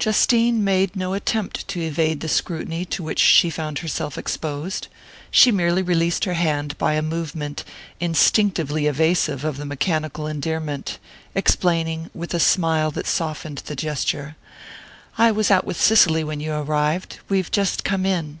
Justine made no attempt to evade the scrutiny to which she found herself exposed; she merely released her hand by a movement instinctively evasive of the mechanical endearment, explaining, with a smile that softened the gesture: "I was out with Cicely when you arrived. We've just come in."